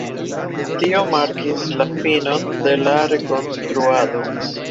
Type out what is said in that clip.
Tio markis la finon de la Rekonstruado.